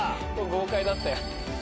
豪快だったよ。